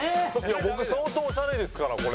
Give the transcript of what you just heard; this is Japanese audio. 僕相当オシャレですからこれ。